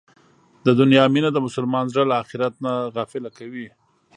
د دنیا مینه د مسلمان زړه له اخرت نه غافله کوي.